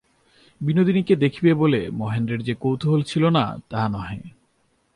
বিনোদিনীকে দেখিবে বলিয়া মহেন্দ্রের যে কৌতূহল ছিল না, তাহা নহে।